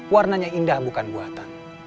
warnanya indah bukan buatan